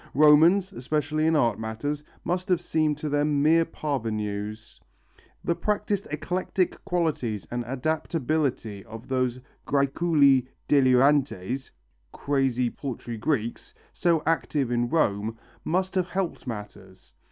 Romans, especially in art matters, must have seemed to them mere parvenus. The practised eclectic qualities and adaptability of those græculi delirantes (crazy paltry Greeks), so active in Rome, must have helped matters.